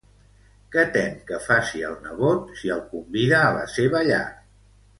Què tem que faci el nebot si el convida a la seva llar?